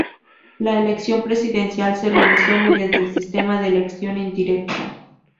La elección presidencial se realizó mediante el sistema de elección indirecta.